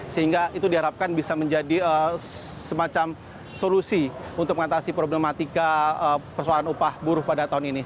sehingga itu diharapkan bisa menjadi semacam solusi untuk mengatasi problematika persoalan upah buruh pada tahun ini